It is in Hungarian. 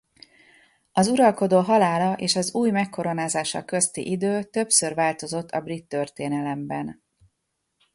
Az uralkodó halála és az új megkoronázása közti idő többször változott a brit történelemben.